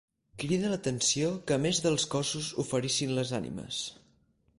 Crida l'atenció que a més dels cossos oferissin les ànimes.